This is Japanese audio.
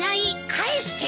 返してよ。